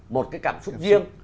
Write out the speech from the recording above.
một cái cảm xúc riêng